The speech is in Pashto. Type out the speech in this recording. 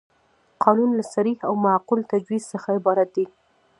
قانون له صریح او معقول تجویز څخه عبارت دی.